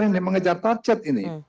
ini mengejar target ini